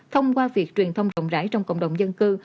thông qua việc truyền thông rộng rãi trong cộng đồng dân cư